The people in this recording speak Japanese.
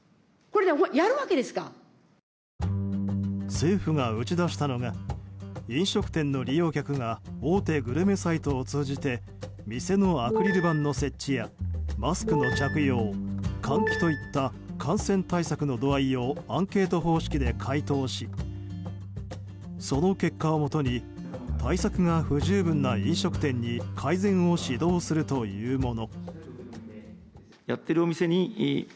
政府が打ち出したのが飲食店の利用客が大手グルメサイトを通じて店のアクリル板の設置やマスクの着用、換気といった感染対策の度合いをアンケート方式で回答しその結果をもとに対策が不十分な飲食店に改善を指導するというもの。